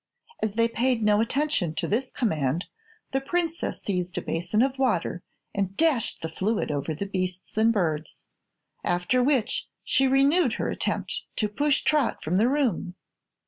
As they paid no attention to this command the princess seized a basin of water and dashed the fluid over the beasts and birds, after which she renewed her attempt to push Trot from the room.